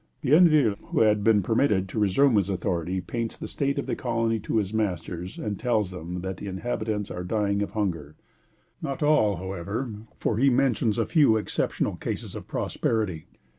Bienville, who had been permitted to resume his authority, paints the state of the colony to his masters, and tells them that the inhabitants are dying of hunger, not all, however, for he mentions a few exceptional cases of prosperity.